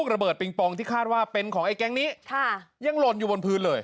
ระเบิดปิงปองที่คาดว่าเป็นของไอ้แก๊งนี้ค่ะยังหล่นอยู่บนพื้นเลย